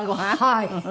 はい。